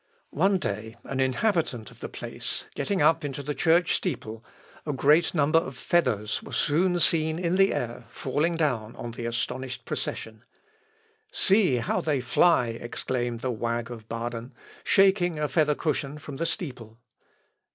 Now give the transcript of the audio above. One day, an inhabitant of the place getting up into the church steeple, a great number of feathers were soon seen in the air falling down on the astonished procession; "See how they fly," exclaimed the wag of Baden, shaking a feather cushion from the steeple.